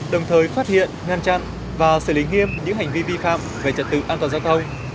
đồng thời phát hiện ngăn chặn và xử lý nghiêm những hành vi vi phạm về trật tự an toàn giao thông